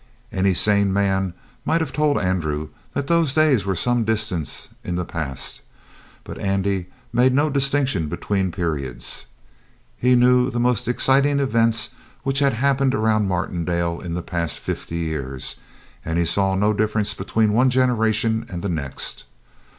Any sane man might have told Andrew that those days were some distance in the past, but Andy made no distinction between periods. He knew the most exciting events which had happened around Martindale in the past fifty years, and he saw no difference between one generation and the next.